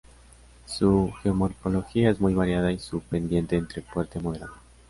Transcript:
Su geomorfología es muy variada y su pendiente entre fuerte a moderada.